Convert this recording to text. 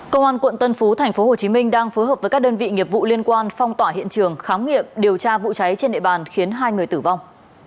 công an quận tân phú thành phố hồ chí minh đang phối hợp với các đơn vị nghiệp vụ liên quan phong tỏa hiện trường khám nghiệm điều tra vụ cháy trên địa bàn khiến hai người tử vong